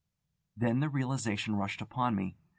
Then the realisation rushed upon me.